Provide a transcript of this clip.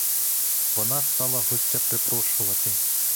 Вона стала гостя припрошувати.